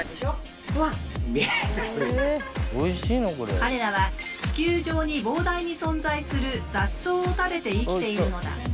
彼らは地球上に膨大に存在する雑草を食べて生きているのだ。